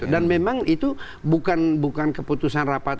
dan memang itu bukan keputusan rapat